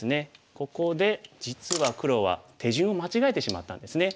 ここで実は黒は手順を間違えてしまったんですね。